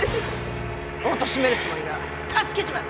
おとしめるつもりが助けちまった！